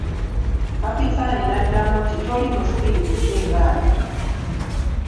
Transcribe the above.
Kapitaani n'addamu nti Toli musiru kusinga nze.